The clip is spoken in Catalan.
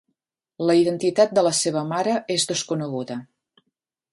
La identitat de la seva mare és desconeguda.